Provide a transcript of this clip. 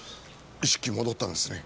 意識戻ったんですね？